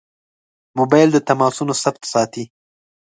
موبایل د تماسونو ثبت ساتي.